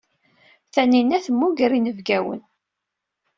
Tanina temmuger inebgawen.